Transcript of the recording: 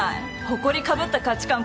ほこりかぶった価値観